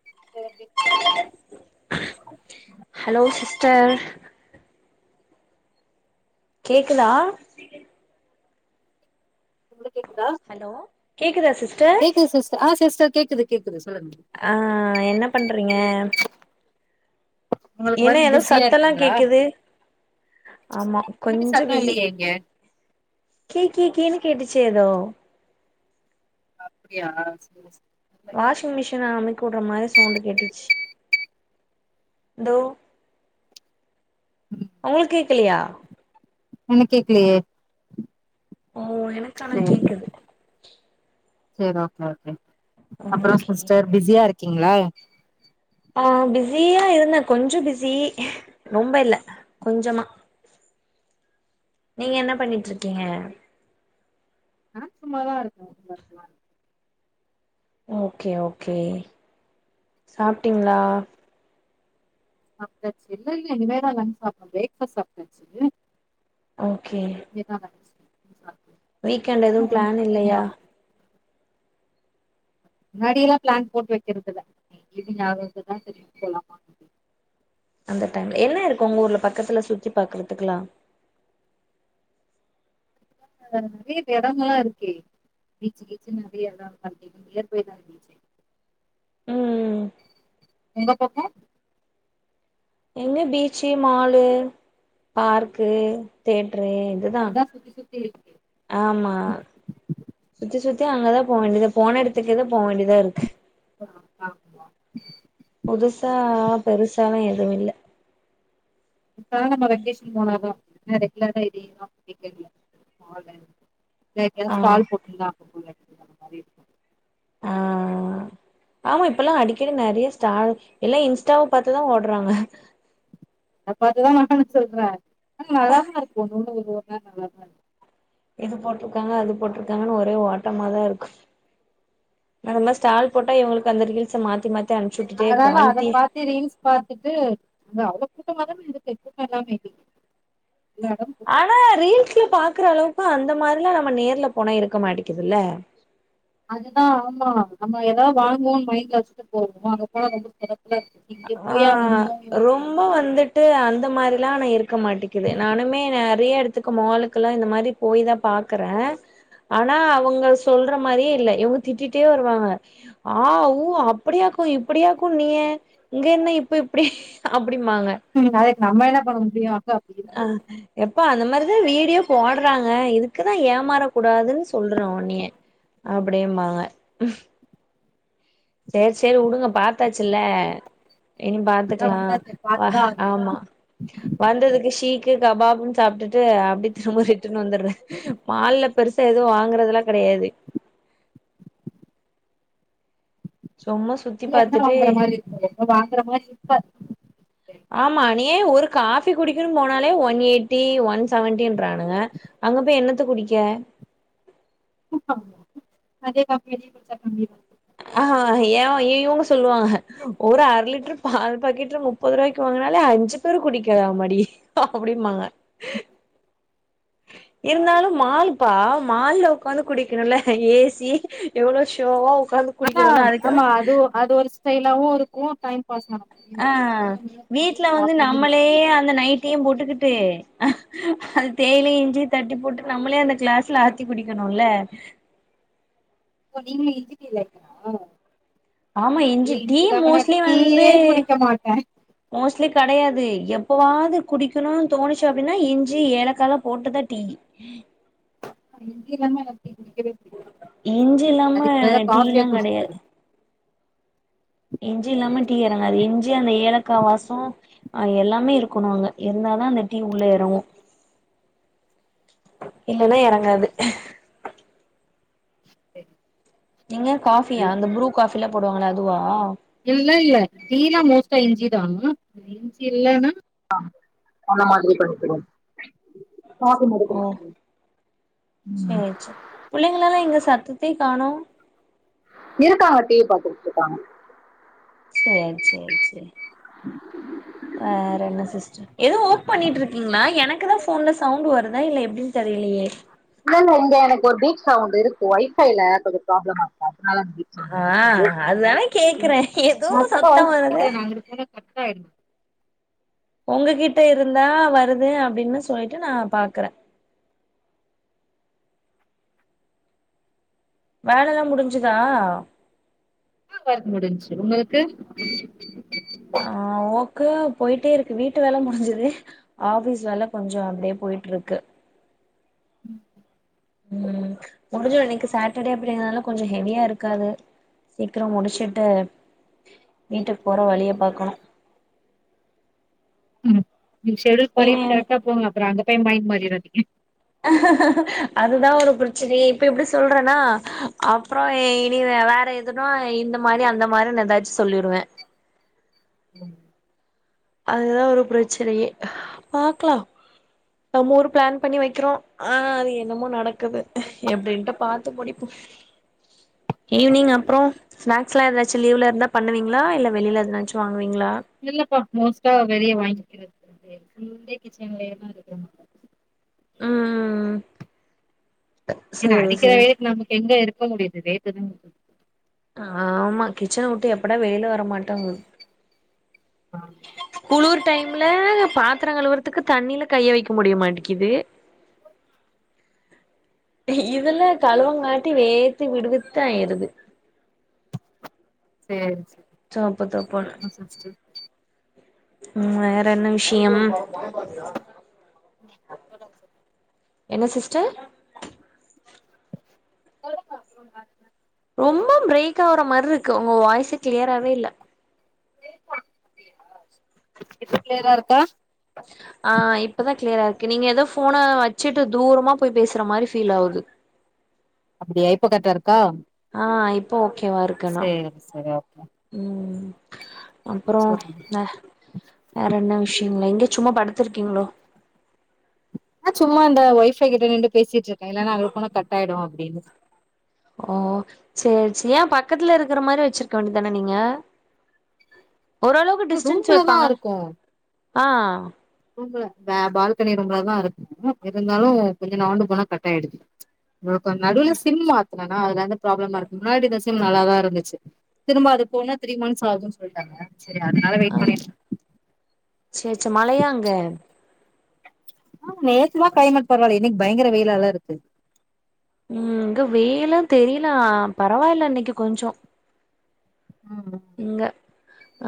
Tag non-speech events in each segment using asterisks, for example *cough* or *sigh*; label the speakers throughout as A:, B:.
A: *inaudible*
B: hello sister கேக்குதா
A: உங்களுக்கு கேக்குதா
B: ஹலோ கேக்குதா சிஸ்டர்
A: கேக்குது சிஸ்டர் ஆ சிஸ்டர் கேக்குது கேக்குது சொல்லுங்க
B: ஆ என்ன பண்றீங்க
A: உங்களுக்கு
B: என்ன
A: ஒர்க்
B: எதோ
A: பிஸியா
B: சத்தல்லா
A: இருக்கீங்களா
B: கேக்குது ஆமா
A: முன்னாடி
B: கொஞ்சம்
A: சத்தோ
B: பிஸி
A: இல்லையே இங்க அப்படியா சேரி
B: வாஷிங்மிஷின அமிக்கி விடுற மாதிரி சவுண்ட் கேட்டுச்சு தோ உங்களுக்கு கேக்கலையா
A: எனக்கு கேக்கலையே
B: ஓ எனக்கு ஆனா கேக்குது
A: செரி ஓகே ஓகே அப்புறம்
B: ஓகே
A: சிஸ்டர் பிஸியா இருக்கீங்களா
B: ஆ பிஸியா இருந்த கொஞ்ச பிஸி ரொம்ப இல்ல கொஞ்சமா நீங்க என்ன பண்ணிட்டு இருக்கீங்க
A: நா சும்மாதா இருக்கே வீட்டுல
B: ஓகே ஓகே சாப்பிட்டீங்களா
A: சாப்பிடாச்சு இல்ல இல்ல இனிமே தா லஞ்ச் சாப்பிடனு பிரேக்பாஸ்ட் சாப்பிட்டாச்சு
B: ஓகே
A: என்னால
B: வீக்கெண்டல எதுவும் பிளான் இல்லையா
A: முன்னாடி எல்லாம் பிளான் போட்டு வெக்கிறதுல்ல இது ஞாபாகம் வருதோ சரினு போலாமா
B: என்ன இருக்கும் உங்க ஊர்ல பக்கத்துல சுத்தி பாக்குறதுக்குலா
A: பீச் இடமெல்லா இருக்கே பீச்சு கீச்சு நெறைய இடம் *inaudible* பீச்சு
B: ம்
A: உங்க பக்கம்
B: இங்க பீச்சு மாலு பார்க்கு தேட்ரு இதுதா
A: அதா சுத்தி சுத்தி இருக்கே
B: ஆமா சுத்தி சுத்தி அங்கதா போக வேண்டியது போன இடத்துக்கே தா போக வேண்டியதா இருக்கு
A: ஆ ஆ ஆ
B: புதுசா பெருசால எதுவும் இல்ல
A: நம்ம வெக்கேஷன் போனாதா நா ரெகுலரா *inaudible* *unintelligible*
B: ஆ
A: ஸ்டால் போட்டு இருந்த *inaudible*
B: ஆ
A: *inaudible*
B: ஆமா இப்பல்லா அடிக்கடி நெறைய ஸ்டால் எல்லா இன்ஸ்டாவ பாத்துதா ஓடறாங்க
A: அத பத்துதா நானு சொல்றே ஆனா நல்லாத தா இருக்கு ஒன்ன ஒண்ணு ஒரு நல்லா தா இருக்கு
B: இது போட்ருக்காங்க அது போட்ருக்காங்கன்னு ஒரே ஓட்டமாதா இருக்கு ந நம்ம ஸ்டால் போட்டா இவங்களுக்கு அந்த ரீல்ஸ மாத்தி மாத்தி அனுப்ச்சு விட்டுட்டே இருப்பே
A: அதனால அத
B: வண்டி
A: பாத்து ரீல்ஸ் பாத்துட்டு அந்த அவ்ளவு கூட்டமா தானே இருக்கு கூட்டம் எல்லாமே இருக்கு மேடம்
B: ஆனா ரீல்ஸ்ல பாக்குற அளவுக்கு அந்த மார்ல்லாம் நம்ம நேர்ல போனா இருக்க மாட்டிகுது இல்ல
A: அதுதா ஆமா நம்ம ஏதா வாங்குவோம்னு மைண்ட் வெச்சுட்டு போவோ அது போல ரொம்ப சிறப்புலா இருக்கு இங்க போயா வந்தோ அப்டினு
B: ட்டு அந்த மாரிலா ஆனா இருக்க மாட்டிக்குது நானுமே நறைய எடத்துக்கு மாலுக்கல்லா இந்த மாரி போய் தா பாக்கற ஆனா அவங்க சொல்ற மாரியே இல்ல இவங்க திட்டிட்டே வருவாங்க ஆ உ அப்டியாக்கு இப்டியாக்குன்னியே இங்க என்ன இப்ப இப்டி அப்டிபாங்க
A: ம் அ அதுக்கு நம்ம என்ன பன்ன முடியு அக்காகு
B: ஆ எப்ப அந்த மாரிதா வீடியோ போடுறாங்க இதுக்குதா ஏமாறக்க கூடாதுன்னு சொல்றோ ஒன்னிய அப்டிம்பாங்க செர் செர் உடுங்க பாத்தாச்சுல்ல இனி
A: அதா
B: பாத்துக்கலா
A: வந்தாச்சே பாத்துதா ஆகணு
B: ஆமா வந்ததுக்கு ஷீக்கு கபாபுன்னு சாப்ட்டுட்டு அப்டி திரும்ப ரிட்டுன்னு வந்துற மால்ல பெருசா எதுவு வாங்கறதெலா கெடயாது சொம்மா சு
A: இல்ல என்ன வாங்குற மாரி இருக்கு வாங்குற மாரி இருக்காது
B: ஆமா அணியாய ஒரு காஃபி குடிக்கணனு போனாலே ஒன் எயிட்டி ஒன் செவன்டின்ரானுங்க அங்க போய் என்னத்த குடிக்க
A: அதே காபி வீட்டுல குடிச்சா *unintelligible*
B: அஹ அ ஏ இவுங்க சொல்லுவாஹ ஒரு அர லிட்ரு பால் பக்கட் முப்பது ரூவாய்க்கு வாங்குனாலே அஞ்சு பேர் குடிக்கலாமடி அப்டிமாங்க இருந்தாலு மால்பா மால்ல ஒக்காந்து குடிக்கணுல ஏசி எவ்ளோ ஷோவா ஒக்காந்து
A: ஆனா ஆமா அது அது ஒரு ஸ்டைலாவு இருக்கு டைம் பாஸ் ஆன மாரியு
B: ஆ
A: இருக்கு அதா நம்மளால போய்
B: வீட்ல வந்து
A: சாப்டாமே வர
B: நம்மளே
A: முடியு
B: அ இந்த நைட்டியும் போட்டுகுட்டு அது தேயிலயு இஞ்சியு தட்டி போட்டு நம்மளே அந்த க்ளாஸ்ல ஆத் தி குடிக்கணுல
A: ஓ நீங்களு இஞ்சி டீ லைகரா
B: ஆமா இஞ்சி டீ மோஸ்ட்லி வந்து
A: டீயே குடிக்க மாட்டே
B: மோஸ்ட்லி கடையாது எப்பவாது குடிக்கணு தோனுச்சு அப்டின்னா இஞ்சி ஏலக்காலா போட்டுதா டீ
A: இஞ்சி இல்லாம எனக்கு குடிக்கவே புடிக்காது
B: இஞ்சி இல்லாம
A: அதுக் பதிலா காஃபியா
B: டீல்லா
A: குடிசுட்
B: கெடையாது
A: போயிடுவ
B: இஞ்சி இல்லாம டீ எறங்காது இஞ்சி அந்த ஏலக்கா வாசம் அ எல்லாமே இருக்கணு அங்க இருந்தாதா அந்த டீ உள்ள எறங்கு இல்லனா எறங்காது
A: செரி
B: நீங்க காஃபியா அந்த ப்ரூ காஃபிலா போடுவாங்களே அதுவா
A: இல்லல்ல டீ னா மோஸ்ட்டா இஞ்சிதா இஞ்சி இல்லனா டா அந்த மாதிரி பண்ணிகிடுவோ
B: ஓ சேர் செர் புள்ளைங்களெல்லா எங்க சத்தத்தயே காணோ
A: இருக்காங்க டிவி பாத்துட்ருக்காங்க
B: சேரி சேரி சேரி வேறென்ன சிஸ்ட் எதோ ஒர்க் பண்ணிட்ருக்கீங்ளா எனக்குதா ஃபோன்ல சவுண்ட் வருதா இல்ல எப்டின் தெரிலையே
A: இல்ல இல்ல இங்க எனக்கு ஒரு பீட் சவுன்டு இருக்கு ஒய்ஃபைல கொஞ்சொ ப்ராப்ளமார்க்கு அதுனால மெபி
B: ஆ அதுதான கேக்குறே எதோ சத்த வருது
A: ஸ்டக் ஆயிருந்து
B: ஒங்ககிட்ட இருந்தா வருது அப்டின்னு சொல்லிட்டு நா பாக்குறே வேலல்லா முடிஞ்சுதா
A: அ ஒர்க் முடின்ச்சு உங்கள்க்கு
B: ஆ ஓக்கு போயிட்டே இருக்கு வீட்டு வேல முடிஞ்சுது ஆஃபீஸ் வேல கொஞ்சொ அப்டியே போயிட்ருக்கு
A: ம்
B: ம் முடிஞ்சுரு இன்னைக்கு சாட்டர்டே அப்டிங்றனால கொஞ்சொ ஹெவியா இருக்காது சீக்ரொ முடிச்சுட்டு வீட்டுக்கு போற வழிய பாக்கணு
A: ம் நீங் ஷெட்யூல் பண்ணிட்
B: ஏன்
A: கரெக்டா போங்க அப்றோ அங்க டைம் மையிண்ட் மாரிறாதிங்க
B: அதுதா ஒரு பிரச்சனையே இப்ப இப்டி சொல்றேனா அப்றோ இனி வெ வேற எ துனா இந்த மாரி அந்த மாரினு ஏதாச்சு சொல்லிருவே
A: ம்
B: அதுதா ஒரு பிரச்சனையே பாக்லா நம்ம ஒரு ப்ளான் பண்ணி வைக்கிறோ ஆனா அது என்னமோ நடக்குது எப்டின்ட்டு பாத்து முடிப்போ ஈவ்னிங் அப்றோ ஸ்னாக்ஸ்லா எதாச்சு லீவ்ல இருந்தா பண்ணுவீங்ளா இல்ல வெளில எதனாச்சு வாங்குவீங்ளா
A: இல்லப்பா மோஸ்ட்டா வெளிய வாங்கிகுறது *inaudible* ஃபுல் டே கிச்சன்லயேதா இருக்குறமார்
B: ஆ
A: இந்த அடிக்கிற
B: சேரி
A: வெயில்க்கு நமக்கு எங்க இருக்க முடியுது வேத்துதா ஊத்து
B: ஆமா கிச்சன வுட்டு எப்படா வெளில வரமாட்டோங்குது
A: ஆமா
B: குளுர் டைம்ல பாத்தர கழுவுறதுக்கு தண்ணில கைய வைக்க முடியமாட்டிக்கிது
A: *inaudible*
B: இதுல்ல கழுவங்காட்டி வேத்து விடுவிற்து ஆயிறுது
A: சேரி சரி
B: சாப்ப தா போற வேற என்ன விஷயம் *unintelligible*
A: ம் சொல்லுங்க சொல்
B: என்ன சிஸ்டர்
A: சொல்லுங்க அப்றோ வேற என்ன
B: ரொம்ப பிரேக் ஆவுற மாரி இருக்கு உங்க வாய்ஸு கிளியராவே இல்ல
A: இப்ப கிளியரா இருக்கா
B: ஆ இப்பதா க்ளியரா இருக்கு நீங்க எதோ ஃபோன வச்சுட்டு தூரமா போய் பேசுற மாரி ஃபீல் ஆவுது
A: அப்டியா இப்ப கரெக்ட்டா இருக்கா
B: ஆ இப்போ ஓகேவா இருக் க்கனா
A: சேரி சேரி ஓகே
B: ம் அப்புறோ
A: சொல்லுங்க
B: என்ன வேற என்ன விஷயங்களே எங்க சும்மா படுத்திருக்கீங்ளோ
A: அ சும்மா இந்த ஒய் ஃபை கிட்ட நின்டு பேசிட்டு இருக்கே இல்லன்னா அங்க போன கட் ஆயிடு அப்டின்னு
B: ஓ சேர் சேரி ஏ பக்கத்துல இருக்குற மாரி வச்சிருக்க வேண்டிதான நீங்க ஓரளவுக்
A: ஆனா
B: டிஸ்டன்ஸ்
A: ரூம்ல தா
B: வைப்பாங்க
A: இருக்கோ
B: ஆ
A: ரூம்ல பே பால்கனி ரூம்ல தா இருக்கும் இருந்தாலும் கொஞ்சோ நவன்டு போனா கட் ஆயிடுது அ கொஞ்சோ நடுவுல சிம் மாத்னனா அதுலந்து ப்ராப்ளமா இருக்கு முன்னாடி இருந்த சிம் நல்லாதா இருந்துச்சி திரும்ப அது போனா த்ரீ மந்த்ஸ் ஆகு சொல்லிட்டாங்க செரி அதனால வெயிட் பண்ணிட்
B: சேர் சேரி மழையா அங்க
A: ம் நேத்து லா க்ளைமேட் பரவாயில்லை இன்னைக் பயங்கர வெயில்லால இருக்கு
B: ம் இங்க வெயில்லா தெரியல ஆ பரவாயில்ல இன்னைக் கொஞ்சோ
A: ம்
B: இங்கே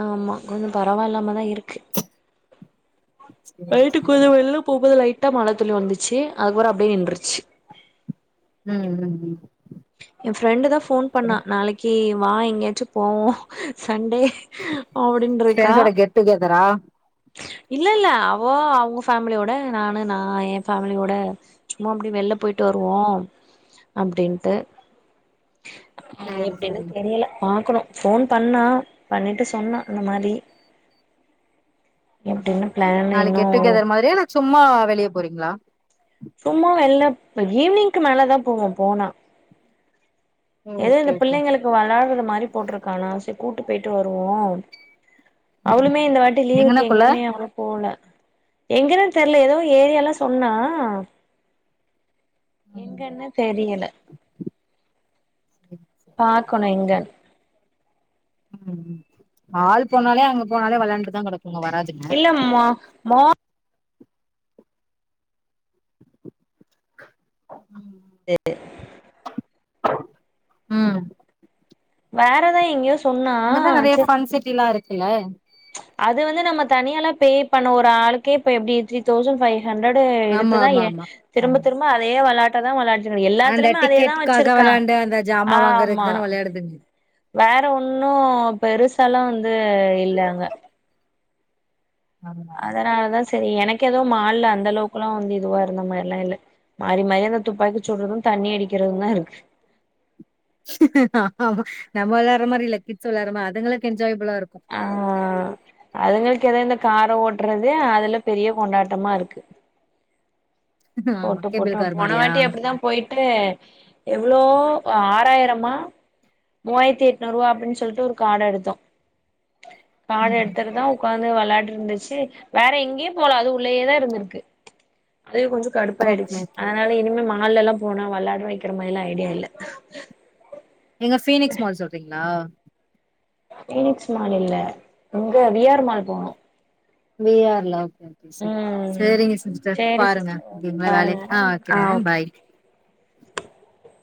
B: ஆமா கொஞ்சோ பரவாயில்லாம தா இருக்கு
A: சேரி
B: நைட்டு
A: சேரி
B: கொஞ்சோ வெள்ல போம்போது லைட்டா மழை துளி வந்துச்சி அதுக்கப்புறோ அப்டியே நின்றுச்சி
A: ம் ம் ம்
B: என் ஃப்ரெண்டு தா ஃபோன் பண்ணா நாளைக்கி வா எங்கயாச்சி போவோ சண்டே
A: *inaudible*
B: ஆவ்டின்ற
A: ஃப்ரெண்ஸ்ஸோட கெட் டு கெதரா
B: இல்ல இல்ல அவோ அவோங்க ஃபேமிலியோட நானு நா எ ஃபேமிலியோட சும்மா அப்டி வெளில போய்ட்டு வருவோ அப்டின்ட்டு ஆ
A: சேரி
B: எப்டின்னு
A: சேரி
B: தெரியல பாக்கணு ஃபோன் பண்ணா பண்ணிட்டு சொன்னா இந்த மாரி எப்டின்னு பிளான்
A: நாளைக்
B: இன்னு
A: கெட் டு கெதர் மாரியா இல்ல சும்மா வெளிய போறீங்ளா
B: சும்மா வெளிலப் ஈவ்னிங்க்கு மேல தா போவோ போனா ஏதோ இந்த
A: ஓகே ஓகே
B: பிள்ளைங்களுக்கு வளாடுற மாரி போட்ருக்கானா செரி கூட்டு போயிட்டு வருவோ அவளுமே இந்த வாட்டி லீவுக்கு
A: எங்கனக்குள்ள
B: எங்கேய்மே அவளு போல எங்கனே தெரில ஏதோ ஏரியால்ல சொன்னா
A: ம்
B: எங்கன்னு தெரியல பாக்கணு எங்கனு
A: ம் ம் ம் ஆள் போனாலே அங்க போனாலே வளாண்டுதா கடக்
B: இல்ல மா மார்
A: ம் ம்
B: வேறெதோ எங்கயோ சொன்னா
A: அங்கதா நெறையா ஃபன் சிட்டி எல்லா இருக்குல்ல
B: ப்ச் அது வந்து நம்ம தனியால பே பண்ண ஒரு ஆளுக்கே இப்ப எப்டி த்ரீ தௌசண்ட் ஃபை ஹண்டர்டு
A: ஆமா
B: எடுத்துதா
A: ஆமா
B: எ
A: ஆமா
B: திரும்ப
A: ஆமா
B: திரும்ப அதே வளையாட் த்ததா விளாடிட்டு இருந்து
A: அந்த
B: எல்லாத்துலயுமே அதேதா
A: டிக்கெட்காக
B: வச்சிருக்கா
A: வெளாண்டு அந்த ஜாமா
B: ஆ
A: வாங்கறதுக்கு
B: ஆமா
A: தான வெளையாடுதுங்க
B: வேற ஒன்னு பெருசாலா வந்து இல்ல அங்க
A: ஆமா
B: அதனாலதா செரி எனக்கு ஏதோ மால்ல அந்த அளவுக்கு எல்லா வந்து இதுவா இருந்த மாதிரி எல்லா இல்ல மாறி மாறி அந்த துப்பாக்கி சுடுறது தண்ணி அடிக்கிறது தா இருக்கு
A: ஆ ஆமா நம்ம விளையாடுற மாரி இல்ல கிட்ஸ் விளையாடுற மாரி அதுங்களுக்கு என்ஜாயபிளா இருக்கு
B: ஆ அதுங்களுக்கு ஏதாவது இந்த காரை ஓட்டுறதுே அதுல பெரிய கொண்டாட்டமா இருக்கு
A: ஆமா
B: போட்டு போட்டு
A: கேபிள் கார்
B: போனை
A: மாரியா
B: வாட்டி அப்படிதா போயிட்டு எவ்ளோ ஆறாயிரமா மூவாயிரத்தி எட்நூறு ரூபா் அப்டின்னு சொல்லிட்டு ஒரு காட எடுத்தோ காட
A: ம்
B: எடுத்துட்டுதா உகந்து வந்து விளையாட்டு இருந்துச்சு வேற எங்கேயே போலா அது உள்ளேயே தா இருந்திருக்கு அது கொஞ்சோ
A: ஓகே
B: கடுப்பாயிடுச்சு
A: ஓகே
B: அதுனால இனிமே மால்லலா போனா விளாட வைக்கிற மாதிர ல்லா ஐடியா இல்ல
A: எங்க ஃபீனெக்ஸ் மால் சொல்றீங்களா
B: பிக்ஸ் மால் இல்ல இங்க விஆர் மால் போனோ
A: வீஹார்ல ஓகே ரி
B: ம்
A: சேரிங்க சிஸ்டர்
B: சேரி
A: பாருங்க
B: சிஸ்டர் ஓகே
A: அப்டிங்களா
B: பாருங்க
A: வேலைக்கு
B: ஆ
A: வக்கிறே
B: ஓகே
A: பாய்